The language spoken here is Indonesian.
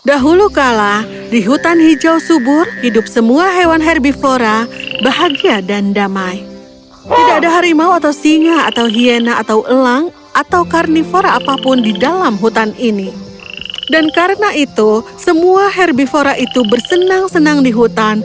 akan segera berubah